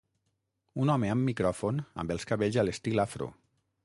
un home amb micròfon, amb els cabells a l'estil afro.